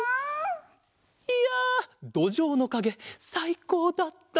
いやどじょうのかげさいこうだった！